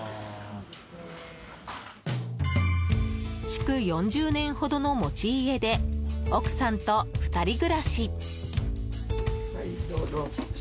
築４０年ほどの持ち家で奥さんと２人暮らし。